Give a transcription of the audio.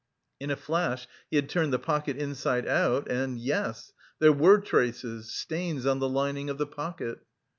In a flash he had turned the pocket inside out and, yes! there were traces, stains on the lining of the pocket!